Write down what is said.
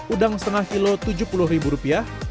udang setengah kilo tujuh puluh ribu rupiah